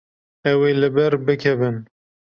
Ew ê li ber bikevin.